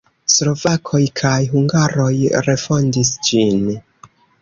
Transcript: Slovakoj kaj hungaroj refondis ĝin.